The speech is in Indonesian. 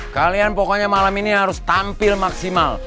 kalian pokoknya malam ini harus tampil maksimal